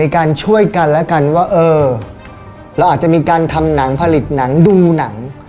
การช่วยกันแล้วกันว่าเออเราอาจจะมีการทำหนังผลิตหนังดูหนัง